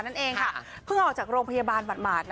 เพิ่งออกจากโรงพยาบาลหมาด